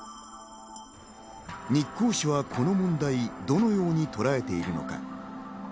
日光市はこの問題、どのようにとらえているのか。